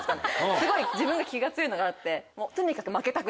すごい自分が気が強いのがあって。